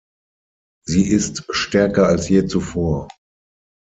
Sie ist stärker als je zuvor.